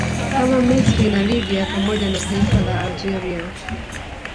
kama Misri na Libya pamoja na taifa la Algeria